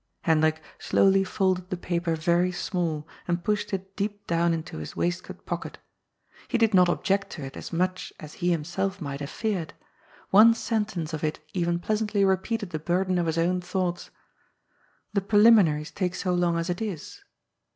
368 GOD'S FOOL. Hendrik slowly folded the paper yery small and pushed it deep down into his waistcoat pocket. He did not ^ject to it as much as he himself might have feared. One sentence of it even pleasantly repeated the burden of his own thoughts. ^^ The preliminaries take so long as it is."